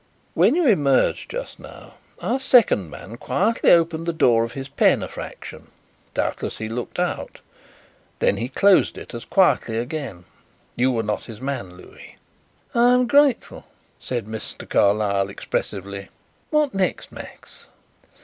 "When you emerged just now our second man quietly opened the door of his pen a fraction. Doubtless he looked out. Then he closed it as quietly again. You were not his man, Louis." "I am grateful," said Mr. Carlyle expressively. "What next, Max?"